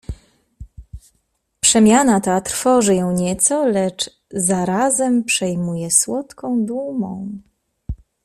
"Przemiana ta trwoży ją nieco, lecz zarazem przejmuje słodką dumą."